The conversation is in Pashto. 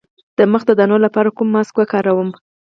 د مخ د دانو لپاره کوم ماسک وکاروم؟